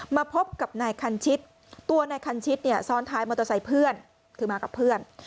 มาพบกับนายคัณชิตตัวนายคัณชิตซ้อนท้ายมอเตอร์ไซยเพื่อน